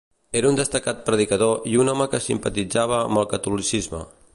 Era un destacat predicador i un home que simpatitzava amb el catolicisme.